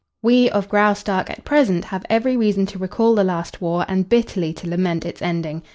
"We, of Graustark, at present have every reason to recall the last war and bitterly to lament its ending.